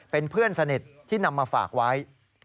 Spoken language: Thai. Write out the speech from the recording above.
เป็นเพื่อนสนิทที่นำมาฝากไว้